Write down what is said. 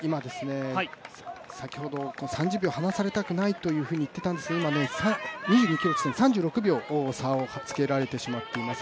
先ほど３０秒離されたくないというふうに言っていたんですけど今３７秒差をつけられてしまっています。